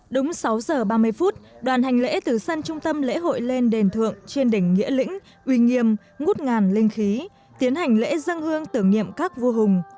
đúng sáu giờ ba mươi phút đoàn hành lễ từ sân trung tâm lễ hội lên đền thượng trên đỉnh nghĩa lĩnh uy nghiêm ngút ngàn linh khí tiến hành lễ dân hương tưởng niệm các vua hùng